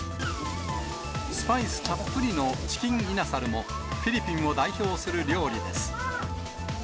スパイスたっぷりのチキンイナサルも、フィリピンを代表する料理です。